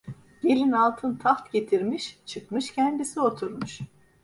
Gelin altın taht getirmiş, çıkmış kendisi oturmuş.